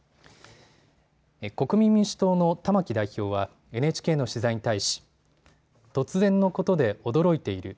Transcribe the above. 国民民主党の玉木代表はＮＨＫの取材に対し突然のことで驚いている。